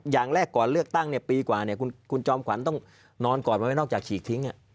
อย่างแรกก่อนเลือกตั้งปีกว่าคุณจอมขวัญต้องนอนก่อนไหมนอกจากฉีกทิ้ง